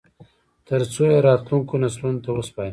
ترڅو یې راتلونکو نسلونو ته وسپاري